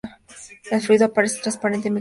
El fluido aparece transparente macroscópicamente.